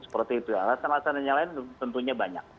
seperti itu alasan alasan yang lain tentunya banyak